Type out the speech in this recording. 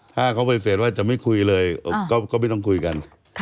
ถ้าเขาปฏิเสธว่าจะไม่คุยเลยก็ไม่ต้องคุยกัน